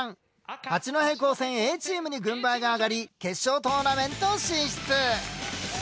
八戸高専Ａチームに軍配が上がり決勝トーナメント進出。